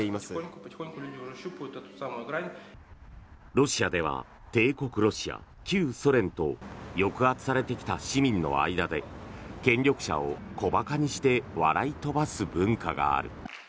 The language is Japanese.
ロシアでは帝国ロシア、旧ソ連と抑圧されてきた市民の間で権力者を小馬鹿にして笑い飛ばす文化がある。